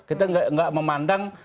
kita nggak memandang